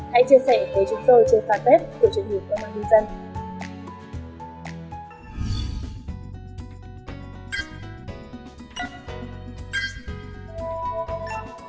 hãy chia sẻ với chúng tôi trên fanpage của truyền hình công an nhân dân